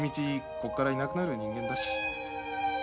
ここからいなくなる人間だし。